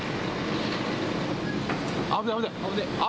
危ない、危ない！